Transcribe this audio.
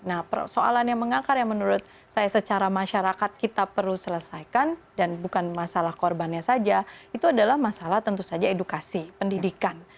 nah persoalan yang mengakar yang menurut saya secara masyarakat kita perlu selesaikan dan bukan masalah korbannya saja itu adalah masalah tentu saja edukasi pendidikan